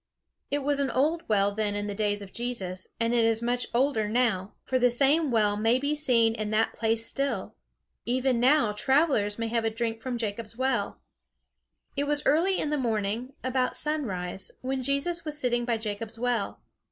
It was an old well then in the days of Jesus; and it is much older now; for the same well may be seen in that place still. Even now travelers may have a drink from Jacob's well. It was early in the morning, about sunrise, when Jesus was sitting by Jacob's well.